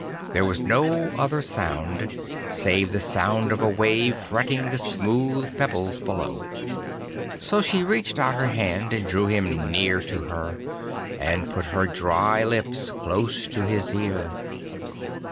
There was no other sound save the sound of a wave fretting the smooth pebbles below. So she reached out her hand, and drew him near to her and put her dry lips close to his ear.